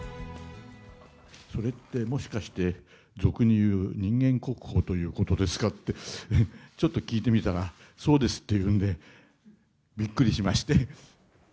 それってもしかして、俗にいう人間国宝ということですかって、ちょっと聞いてみたら、そうですっていうので、びっくりしまして。